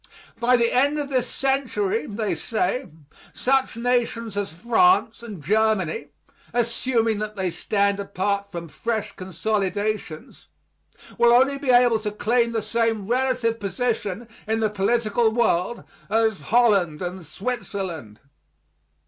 By the end of this century, they say, such nations as France and Germany, assuming that they stand apart from fresh consolidations, will only be able to claim the same relative position in the political world as Holland and Switzerland.